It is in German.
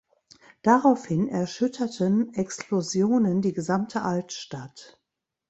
Daraufhin erschütterten Explosionen die gesamte Altstadt.